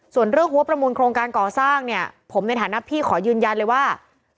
ส่วนเรื่องหัวประมูลโครงการก่อสร้างเนี่ยผมในฐานะพี่ขอยืนยันเลยว่า